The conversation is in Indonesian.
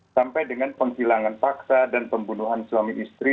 sampai dengan penghilangan paksa dan pembunuhan suami istri